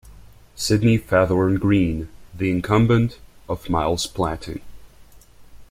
Sidney Faithorn Green, the incumbent of Miles Platting.